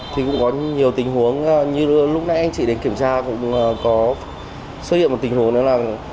thì cũng có nhiều tình huống như lúc nãy anh chị đến kiểm tra cũng có xuất hiện một tình huống đó là